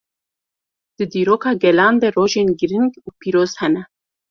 Di dîroka gelan de rojên giring û pîroz hene.